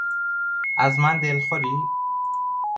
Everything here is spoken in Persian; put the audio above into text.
از من دلخوری؟